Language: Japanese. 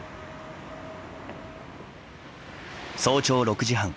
早朝６時半。